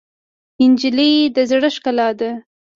نجلۍ د زړه ښکلا ده.